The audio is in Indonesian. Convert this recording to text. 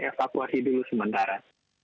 evakuasi dulu sementara